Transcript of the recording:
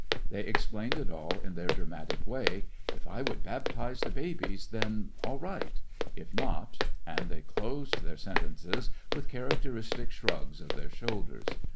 They explained it all in their dramatic way : if I would baptize the babies then, all right ; if not— and they closed their sentences with characteristic shrugs of their shoulders.